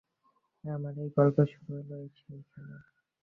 আমার এই গল্পের শুরু হইল সেইখানে।